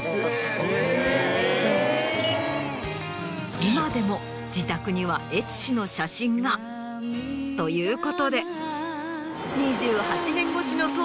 今でも自宅には悦司の写真が。ということで。